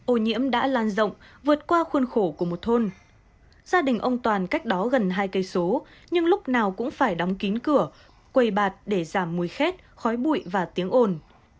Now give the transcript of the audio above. ô nhiễm đã lan rộng vượt qua khuôn khổ của một thôn gia đình ông toàn cách đó gần hai cây số nhưng lúc nào cũng phải đóng kín cửa quầy bạt để giảm mùi khét khói bụi và tiếng ồn